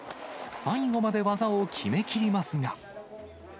最後まで技を決めきりますが。